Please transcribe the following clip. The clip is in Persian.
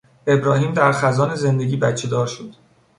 ابراهیم در خزان زندگی بچهدار شد.